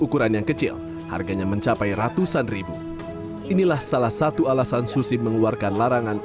ukuran yang kecil harganya mencapai ratusan ribu inilah salah satu alasan susi mengeluarkan larangan